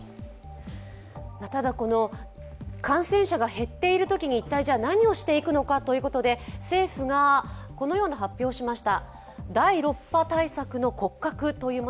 ただ、感染者が減っていくときに何をしたらいいかということで政府がこのような発表をしました。